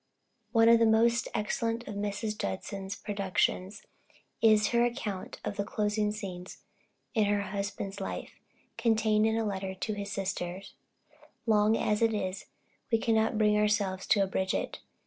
One of the most excellent of Mrs. Judson's productions is her account of the closing scenes in her husband's life, contained in a letter to his sister. Long as it is, we cannot bring ourselves to abridge it.